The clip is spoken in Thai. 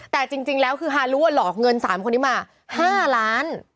แต่จริงแล้วคือฮารุหลอกเงิน๓คนนี้มา๕ล้าน